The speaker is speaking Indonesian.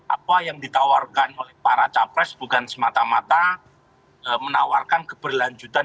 apa yang ditawarkan oleh para capres bukan semata mata menawarkan keberlanjutan